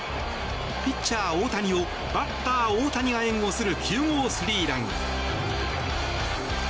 ピッチャー大谷をバッター大谷が援護する９号スリーラン。